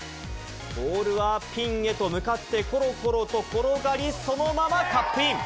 ボールはピンへと向かって、ころころと転がり、そのままカップイン。